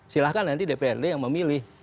silahkan nanti dprd yang memilih